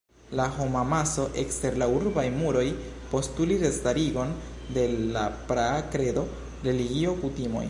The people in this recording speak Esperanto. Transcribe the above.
La homamaso ekster la urbaj muroj postulis restarigon de la praa kredo, religio, kutimoj.